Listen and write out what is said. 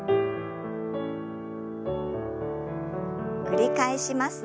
繰り返します。